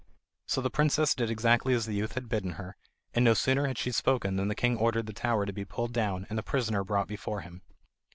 So the princess did exactly as the youth had bidden her; and no sooner had she spoken than the king ordered the tower to be pulled down, and the prisoner brought before him.